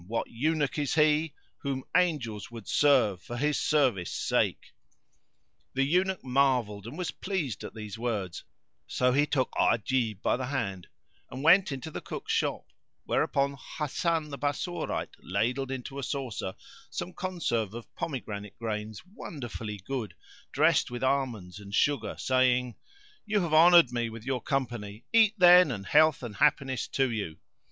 what Eunuch [FN#458] is he * Whom angels would serve for his service sake." The Eunuch marvelled and was pleased at these words, so he took Ajib by the hand and went into the cook's shop: whereupon Hasan the Bassorite ladled into a saucer some conserve of pomegranate grains wonderfully good, dressed with almonds and sugar, saying, "You have honoured me with your company: eat then and health and happiness to you!"